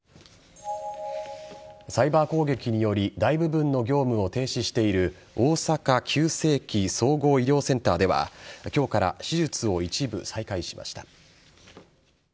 サイバー攻撃により大部分の業務を停止している大阪急性期・総合医療センターでは今日から手術を一部再開しました。